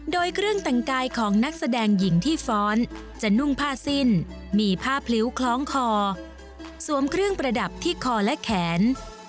โดยเครื่องแต่งกายของนักแสดงหญิงที่ฟ้อนจะนุ่งผ้าสิ้นมีผ้าพลิ้วคล้องคอสวมเครื่องประดับที่คอและแขน